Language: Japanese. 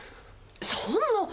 そんな。